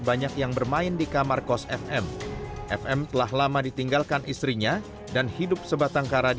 banyak yang bermain di kamar kos fm fm telah lama ditinggalkan istrinya dan hidup sebatang kara di